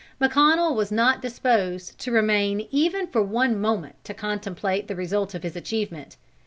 McConnel was not disposed to remain even for one moment to contemplate the result of his achievement.